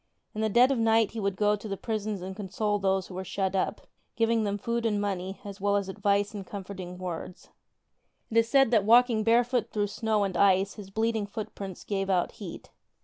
In the dead of night he would go to the prisons and console those who were shut up, giving them food and money as well as advice and comfort ing words. It is said that walking barefoot through snow and ice his bleeding footprints gave out heat.